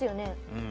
うん。